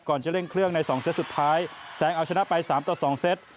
ก่อนจะเล่นเครื่องในสองเซตสุดท้ายแซงเอาชนะไปสามต่อสองเซต